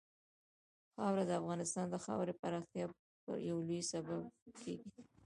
خاوره د افغانستان د ښاري پراختیا یو لوی سبب کېږي.